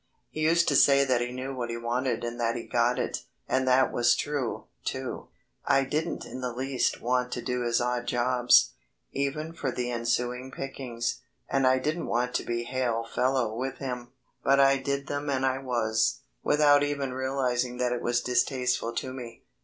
He used to say that he knew what he wanted and that he got it, and that was true, too. I didn't in the least want to do his odd jobs, even for the ensuing pickings, and I didn't want to be hail fellow with him. But I did them and I was, without even realising that it was distasteful to me.